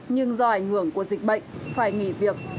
nhưng do ảnh hưởng của dịch bệnh phải nghỉ việc